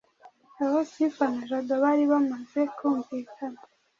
aho Sifa na Jado bari bamaze kumvikana